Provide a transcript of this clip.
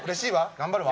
頑張るわ！